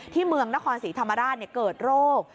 เมืองนครศรีธรรมราชเกิดโรค